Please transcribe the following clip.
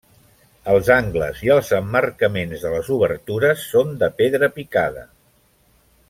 Els angles i els emmarcaments de les obertures són de pedra picada.